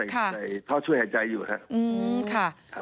เพราะช่วยหายใจอยู่ครับ